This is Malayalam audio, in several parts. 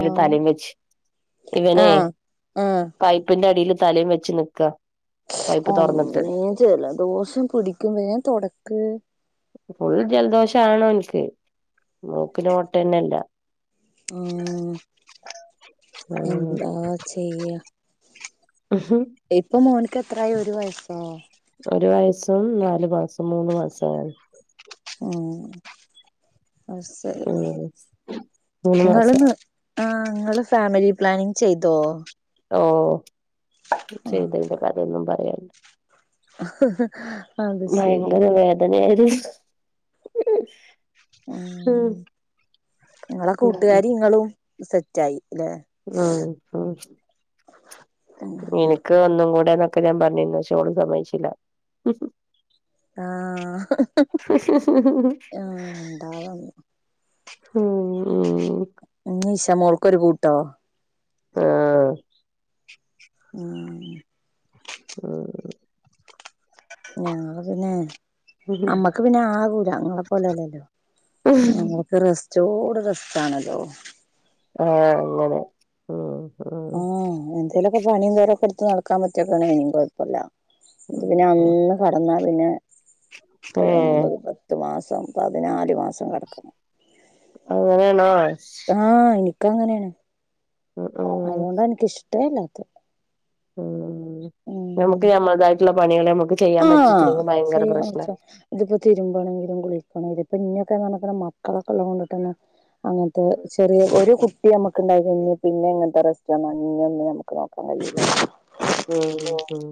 ഒരു ആഹ് തലയും വെച്ച് ഇവനെ ആഹ് ആഹ് പൈപ്പിന്റെ അടിൽ തലയും വെച്ച് നിക്ക ഓ നീൻ ചെയല ദോശം പിടിക്കും തുടക്ക് ഫുൾ ജലദോഷ ആണോ എനിക്ക് നോക്കി മട്ടന്നെല്ല ആഹ ഉം എന്താ ചെയ്യ ഇപ്പൊ മോൻ എത്രായി ഒരു വയസോ ഒരു വയസും നാലു മാസം മൂന്ന് മാസാണ് ആഓ ആ ശരി ഉം മൂന്ന് മാസം നിങ്ങളന്ന് ആ നിങ്ങൾ ഫാമിലി പ്ലാനിങ് ചെയ്തോ ഓ അക്കി ചെയ്തേന്റെ കഥയൊന്നും പറ വേറെന്താ ആ ഹ് ഹ് ഭയങ്കര വേദനായി ഉം ഇങ്ങളെ ഉം കൂട്ടുകാരി ഇങ്ങളും സെറ്റായി ല്ലേ ഉം ഉം എനിക്ക് ഒന്നും കൂടെ ന ക്കെ ഞാൻ പറഞ്ഞിരുന്നു ക്ഷേ ഓളു സമ്മയിച്ചില്ല ആഹ് ആഹ് മുണ്ടാതെ ഉം ങ്ങ് ഇശമോൾക്കൊരു കൂട്ടോ ആഹ് ഉം ഉം ഞങ്ങള് പിന്നെ അമ്മക്ക് പിന്നെ ആകൂ രഅങ്ങളെ പോലെല്ലല്ലോ ഉം ഞങ്ങക്ക് റെസ് ചോട് റിസ്‌കാണല്ലോ ആഹ് അങ്ങനെ ഉം ഉം ക്കെ പണീം തൊരൊക്കെ എടുത്ത് നടക്കാൻ പറ്റിയക്കാണ് പിന്നിം കുഴപ്പുല്ല ഇത് പിന്നെ അന്ന് കെടന്ന പിന്നെ ഏഹ് [unintelligible] പത്ത് മാസ സം പതിനാല് മാസം കെടക്കണം അങ്ങനാണോ ശ് ഒക്ക അങ്ങനെയാണ് അതുകൊണ്ട എനിക്കിഷ് ടല്ലാത്തെ ആഹ് ഉം ഞമുക്ക് ഞമ്മളതായിട്ടുള്ള പണികളെ നമു ആ [unintelligible] ഇതിപ്പോ തിരുമ്പണെങ്കിലും കുളിക്കണെങ്കും ഇപ്പ ഇന്നെ ക്ക മക്കളൊക്കെള്ള കൊണ്ട്ട്ടന്നെ അങ്ങൻത്തെ ചെറിയ ഒരു കുട്ടി നമ്മക്ക്ണ്ടായി കഴിഞ്ഞ പിന്നെ ഇങ്ങൻത്തെ റെസ്റ്റ് ഒന്നും നമ്മുക്ക് നോക്കാൻ കഴൂല്ല ഉം ഉം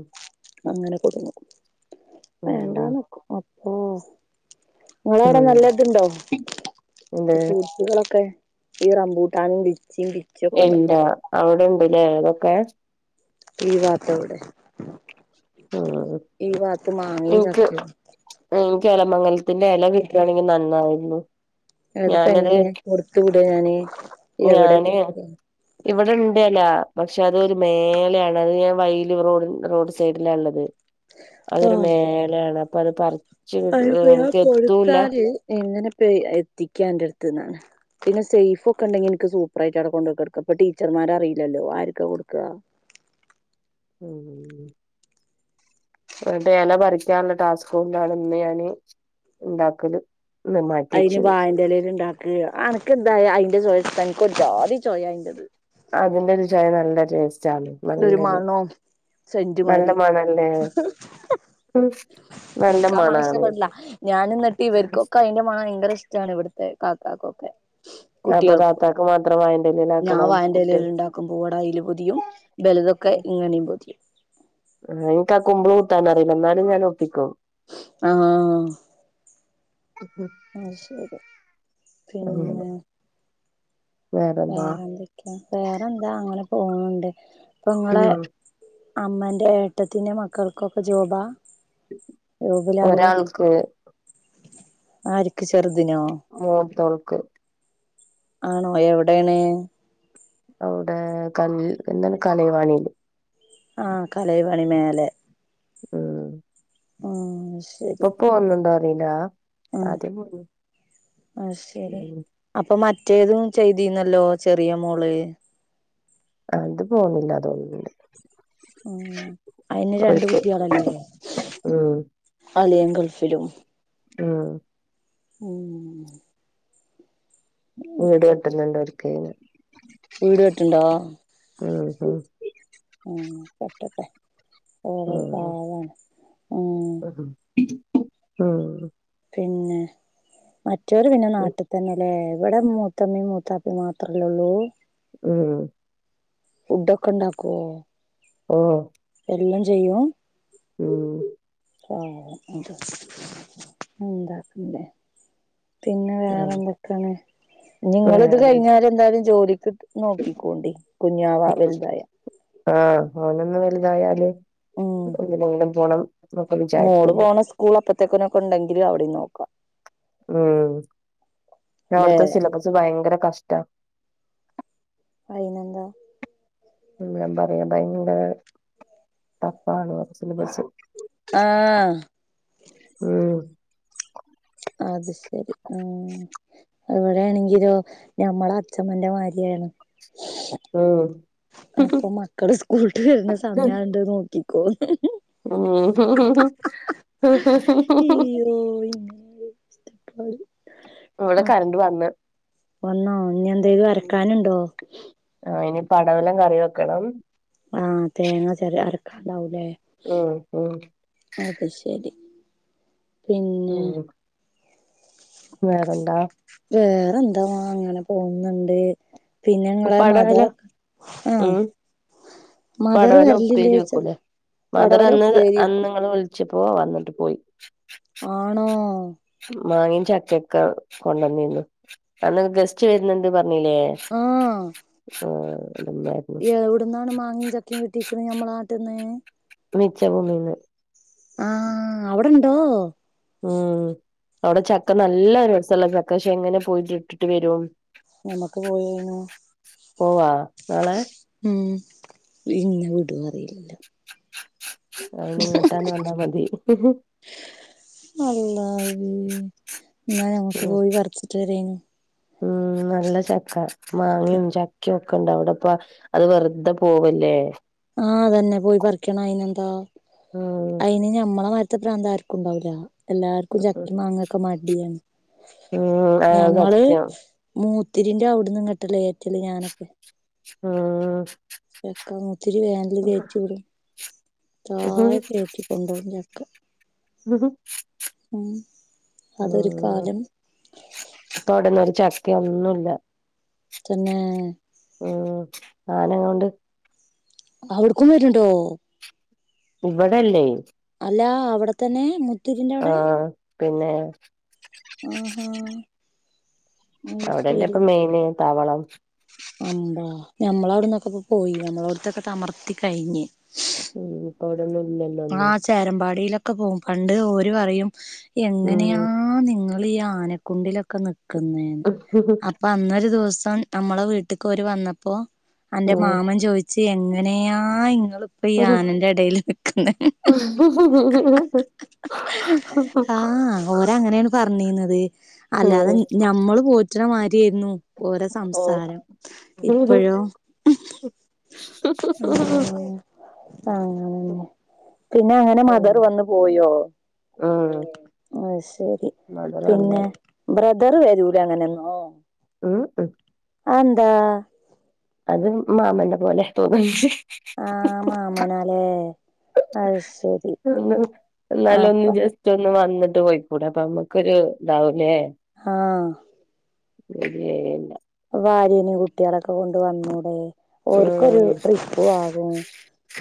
[unintelligible] വേണ്ടാ ഉം നക്ക. ഓ നിങ്ങള അവിടെ ഉം നല്ല ഇതുണ്ടോ എന്ത് ഫ്രൂട്സുകളളൊക്കെ ഈ റംമ്പൂട്ടാൻ ഇല്ല അവിടെണ്ട്ല്ല ഏതൊ ക ഈ ഭാഗത്തവിടെ ഉം ഈ ഭാഗത്ത് മാങ്ങയും എനിക്ക് ചക്കും എനിക്ക് എലമംഗലത്തിന്റെ എല കിട്ടയാണെങ്കിൽ നന്നായിരുന്നു അപ്പോ ഞാനത് എങ്ങനെ കൊടുത്ത് അഞാണ് ഞാന് ഇവിടെ ഇണ്ട് എലാ പക്ഷെ അതൊരു മേലെയാണ് അത് ഞാൻ വൈൽ റോഡ റോഡ് സൈഡിലാ ഉള്ളത് അതൊരു മേലയാണ് പറ പഴയാ കൊടുത്താല് എങ്ങനെ പ്പ എത്തിക്കാ എൻറ അടുത്ത് ന്നാണ് പിന്നെ സേഫ് ഒക്കെ ഉണ്ടെങ്കി എനിക്ക് സൂപ്പറായിട്ട് അവിടെ കൊണ്ടോക്ക കൊടുക്ക അപ്പൊ ടീച്ചർമാരറിയില്ലല്ലോ ആരക്കെ കൊടുക്കുക ഉം എന്നട്ട് ഇല പറിക്കാനുള്ള ടാസ്ക് കൊണ്ടാണ് ഒന്ന് ഞാന് ഉണ്ടാക്കല് അതിന് വായന്റെലേല് ഉണ്ടാക്ക് അനക്ക്ന്താ അയ്ൻ്റെ ചൊയ ൻക്കൊയ് ജാതി ചൊയ അതിന്റത് അതിന്റെരു ചൊയ നല്ല ജസ് ഒരു മണോ നല്ല സെന്റുമാരി മണല്ലേ ഉം നല്ല നിക്കാ മണം മണാണ് ഇഷ്ടപ്പെടില്ല ഞാൻ എന്നിട്ട് ഇവർക്കൊക്കെ അയിന്റെ മണം ഭയങ്കര ഇഷ്ടമാണ് ഇവിടുത്തെ കാക്കാ കോക്കെ അപ്പൊ കുട്ട്യാൾക്ക് താത്താക്ക് മാത്രം വാഴന്റെ ഞാൻ എലേലാക്കണം വായന്റെ ഇലേൽ കുട്ടികൾ ഉണ്ടാക്കും പോട അയ്ല് പൊതിയും വലുതൊക്കെ ഇങ്ങനെയും പോകും ശ ആ എനിക്ക് ആ കുമ്പിൾ കൂത്താൻ അറിയില്ല എന്നാലും ഞാൻ ഒപ്പിക്കും ആഹ് അയ്ശരി അങ്ങനെ പിന്നെ വേറെന്താ വേറെ എന്തൊക്കാ വേറെന്താ അങ്ങനെ പോവ്ണ്ട് ഇപ്പൊങ്ങളെ ഉം അമ്മേന്റെ ഏട്ടത്തിന്റെ മക്കൾക്കൊക്കെ ജോബ? ഒരാൾക്ക്. ആര് മൂത്തോൾക്ക് ആണോ എവിടേണ്? അവിടെ കൽ എന്താണ് കലയ് വാണീല് ആഹ് കലൈ വാണി മേലെ മ്ഹ് [unintelligible] ഒക്കെ വന്നുണ്ടാ മിന ആഹ് ആഹ് ശരി ഉം അപ്പൊ മ മറ്റേതും ചെയ്തിന്നല്ലോ ചെറിയ മോള് അത് പോണില്ല തൊന്ന്ണ്ട് ഉം അയിന് രണ്ട് കുട്ടിയളല്ലേ ഉം അളിയൻ ഗൾഫിലും ആഹ് ഉം വീട് കെട്ട്ന്ന്ണ്ട് ക്കെ വീട് കേട്ടുണ്ടോ ആഹ് ആഹ് ഉം കെട്ടട്ടെ ഓള് ഒരു പാവാണ് ആഹ് ആഹ് പിന്നെ മ റോര് പിന്നെ ഉം നാട്ടിൽ തന്നെല്ലെ ഇവിടെ മൂത്തമ്മേ മൂത്താപ്പി മാത്രല്ലേള്ളൂ ഉം ഫുഡൊക്കെണ്ടാക്കോ? ഓഹ് എല്ലം ചെയ്യും ഉം ഓഹ് അ [unintelligible] എന്താക്ക്ന്നേ പിന്നെ ആഹ് വേറെന്തെക്കെണ് ഞ്ഞ് ങ്ങള്ത് വേറെന്താ കയ്ഞ്ഞാല് എന്തായാലും ജോലി നോക്കിക്കോണ്ടി കുഞ്ഞാവ വൽതായ ആഹ് ഓനൊന്ന് വെൽതായാല് ഉം മോള് വിചാരിക്ക്ണ്ട് പോണ സ്കൂൾ അപ്പത്തേക്ക്നൊക്കൊണ്ടെങ്കില് അവടിം നോ ഉം പിന്നെ ല്ലേ അയുട്ത്തെ സിലബസ് ഭയങ്കരം കഷ്ടാ അയിനെന്താ ഉം ഞാൻ പറയാ ഭയങ്കര ടഫ് ആണ് സിലബസ് ആ ഉം അത് ശെരി ആ അവിടെയാണെങ്കിലോ ഞമ്മളെ അച്ച അമ്മെന്റെ മാരിയാണ് ഉം അപ്പം മക്കൾ സ്കൂൾ വിട്ട് വെര്ന്ന സമയം ആയ്ണ്ട് അയ് നോക്കി നിക്കും അയ്യോ ഉം [unintelligible] ഇവിട ആഹ് കറണ്ട് വന്ന്. വന്നോ ഇനി ന്തേലും വരക്കാനണ്ടോ? ആഹ് ഇനി പടവലം കറി വെക്കണം. ആ തേങ്ങ ചെര അരക്കാണ്ടാവൂലേ ആ ഉം അത് ശരി പിന്നെ ഉം വേറെന്താ വേറെ എന്താ അങ്ങനെ പോകുന്നെണ്ട്. പിന്നെ ഇങ്ങളെ പടവലം മദറൊക്ക ആ ഉം മദറ് പടവലം വരലില്ലേ ഉപ്പേരി ച്ചത് വെക്കൂലേ പടവലം ഉപ്പേരി വെക്കും. ച്ചപ്പോ വന്നട്ട് പോയി. ആണോ മാങ്ങേം ചക്കേക്ക കൊണ്ടന്നിരുന്നു കാരണം ഗസ്റ്റ് വരുന്നിണ്ട് പറ ഞ്ഞിലേ ആഹ് ആ എവിടുന്നാണ് മാങ്ങേം ചക്കയും കിട്ടിയേക്കണത് ഞമ്മള നാട്ടിന്ന്? മിച്ചഭൂമീന്ന്. ആഹ് അവിടെണ്ടോ ഉം അവിടെ ചക്ക നല്ല രസല്ല ചക്ക. പക്ഷെ എങ്ങനെ പോയിട്ട് ഇട്ടിട്ട് വരും നമ്മക്ക് പോയേനു പോവാ നാളെ ഉം ഇന്നെ വിടോ അറീലല്ലോ [inaudible] അയിന് ഇങ്ങട്ടാന്ന് വന്നാ മതി താവി എന്നാ ഞക്ക് ഉം പോയി പറച്ചിട്ട് വരേണ് ഉം നല്ല ചക്ക മാങ്ങും ചക്കോ ണ്ട് അവിടെപ്പ അത് വെറുതെ പോവല്ലേ ആഹ് തന്നെ പോയി പറിക്കണം അതിനെന്താ ഉം അതിന് ഞൻമള ഇത്തെ പ്രാന്തം ആർക്കും ഉണ്ടാവില്ല എല്ലാർക്കും ചക്കി മാങ്ങ ഒക്കെ മടിയാണ് ഉം ആഹ് ഞങ്ങള് സത്യം മൂ ഒത്തിരിന്റെ അവിടന്നും കട്ടല്ലേ ഏറ്റല് ഞാനൊക്കെ മ്മ് ചക്ക മുത്തിരി വേനല് കയറ്റി വിടും ഉം താഴെ കയറ്റി കൊണ്ടോവും ചക്ക മ്മ്മ് മ്മ് അതൊരു കാലം ചക്കെയൊന്നുല്ല പിന്നെ ആനങ്ങോണ്ട് അവിടക്ക വരുന്നുണ്ടോ ഇവടല്ലേ അല്ല അവിടെത്തന്നെ മു ത്തൂരിന്റെറെ അവിടെ ആഹ് പിന്നെ ആഹാ അത് അവിടെന്നെ ശരി ഇപ്പ മെയിന് തവളം ഞമ്മൾ അവിടന്നൊക്കെ ഇപ്പ പോയി നമ്മട അവിടുത്തൊക്കെ തമർത്തി കഴിഞ്ഞ് ഉം അവിടൊന്നും ഇല്ലല്ലോ ആഹ ഒന്നും ചേരമ്പാടിലൊ ഒക്കെ പോകും പണ്ട് ഓര് പറയും ഉം എങ്ങനെയാ നിങ്ങൾ ഈ ആനക്കുണ്ടിലൊക്കെ നിക്ക് കുനെ അപ്പാ അന്നൊരു ദിവസം പ്പം നമ്മളെ വീട്ടക്ക് ഓര് വന്നപ്പോ അന്റെ ഉം മാമൻ ചോയ്ച്ച് ത്‌ എങ്ങനെയാങ്ങ ഇങ്ങ ഇപ്പ യാനെന്റെ ഇടയിൽ പർന്നീന്നത് ഉം അല്ലാതെ ഞമ്മള് പോറ്റ്ണ മാരിയേര്ന്നു ഓരെ സംസാരം ഓഹ് ഇപ്പഴോ ഉം അങ്ങനെന്നെ പിന്നെ അങ്ങനെ ഉം മദറ് വന്ന് പോയോ ഉം അയ്ശെരി മദർ വന്നു പിന്നെ ബ ബ്രദറ് വരൂല അങ്ങനെന്നൂ ഊംഉം അഎന്താ അത് മാമന്റെ പോലെ തോന്നുണ്ട്. ആ മാമനാലേ അത് ശെരി ഒന്ന് ആ അപ്പോ ന്ന്ട്ട് പോയിക്കൂടെ അപ്പ അമ്മക്കൊരു ഇതാവുല്ലേ ഹാ [unintelligible] ഭാര്യനെയും കുട്ടിളൊക്കെ കൊണ്ട് വന്നൂടെ. ഓർക്കൊരു ഉം ട്രിപ്പ് ആകും,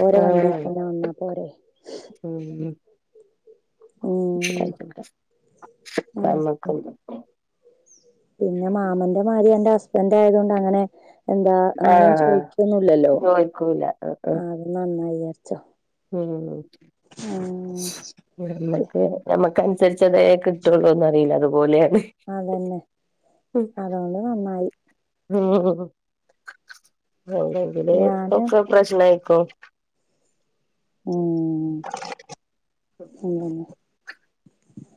ഓരെ വണ്ടി ആഹ് തന്നെ വന്നാ പോരെ. ഉം [unintelligible] നമുക്ക് പിന്നെ മാമന്റെ മാരി എന്റെ ഹസ് [unintelligible] ആയതുകൊണ്ട് അങ്ങനെ എന്താ അങ്ങനെ ആഹ് ചോയിക്കൊന്നുല്ലല്ലോ ചോദിക്കൂല ആ, അ അത് നന്നായി. ച്ചോ മ് ഞമ്മക്ക് ഞമ്മ ക്ക് അനുസരിച്ചതേ കിട്ടുള്ളൂന്ന് അറിയിലെ അതുപോലെ അതന്നെ അതോണ്ട് നന്നായി. മ് അല്ലെങ്കിലെ ഞാന് ഒക്കെ പ്രശ്നായി. [unintelligible] ഉം അതന്നെ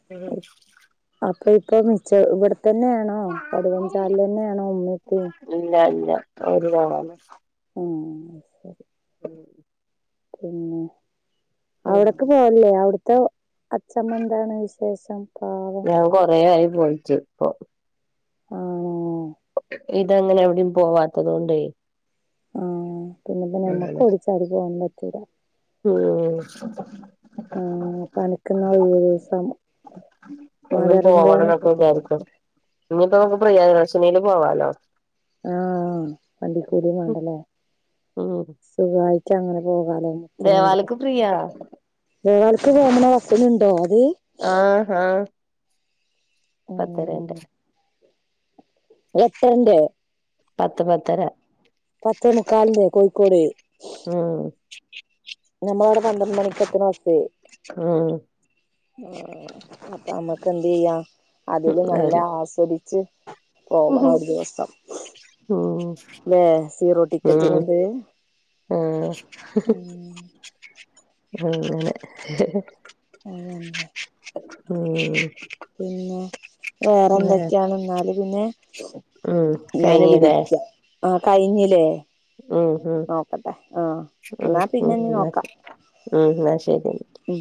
മ് അപ്പോ ഇപ്പന്ന് ച്ചോ ഇവിടത്തന്നെയാണോ വടുവഞ്ചാൽ തന്നെയാണോ ഉമ്മയിം ഉപ്പയും. ഇല്ല [unintelligible] മ് ശെരി മ് പിന്നെ അവിടേക്ക് പോവലില്ല അവിടെ [unintelligible] അച്ഛമ്മ എന്താണ് വി ദിവസം ഞാൻ കൊറെയായി പോയിട്ട് ഇപ്പൊ ആണോ ഇതങ്ങനെ എവിടയും പോവാത്തത് കൊണ്ടേ ആ പിന്നെ ഇപ്പൊ അങ്ങനെ നമ്മക്കും ഓടിച്ചാടി പോവാൻ പ റ്റൂല്ല ഉം ആ അപ്പ അനക്കുന്ന ഒഴിവ് ദിവസം ഒന്നും പോവണം [unintelligible] പ്രിയദർശനീല് പോവാലോ ആ വണ്ടിക്കൂലി വേണ്ടല്ലേ ഉം സുഖായി ട്ടങ്ങനെ പോകാലൊ മുഖ്യമന്ത്രി ദേവാലക്ക് ഫ്രീയാ ദേവാലക്ക് നമ്മടെ കൊടുക്കുന്നിണ്ടോ അത് ആ ആ പത്തരേന്റെ എത്രന്റെ പത്ത് പത്തര പത്തേ മുക്കാലിന്റെ കോഴിക്കോട് ഉ നമ്മടവിടെ പന്ത്രണ്ട് മണിക്കെത്തുന്ന ബസ് ആ ആ അപ്പൊ നമ്മ ക്ക് എന്ത് ചെയ്യാം അതില് നല്ല ആസ്വദിച്ച് ഉം പോകണം ഒരു ദിവസം ഉം ല്ലേ സീറോ ടിക്കറ്റും ഉം കൊണ്ട് ആഹ് ഉം ഹാ അങ്ങനെ അയിനെന്താ ഉം പിന്നെ വേറെ അങ്ങനെ എന്തൊക്കെയാണ് എന്നാല് പിന്നെ ഉം കഴിഞ്ഞില്ലേ ആ കഴിഞ്ഞില്ലേ ഉം ഉം നോക്കട്ടെ ആഹ് ഉം എന്നാ ഉം പിന്നെ ഇനി ഉം എന്ന നോക്കാം ശെരി ഉം എന്ന ശെരി ഉം